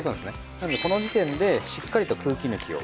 なのでこの時点でしっかりと空気抜きを。